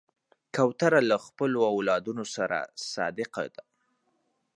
کوتره له خپلو اولادونو سره صادقه ده.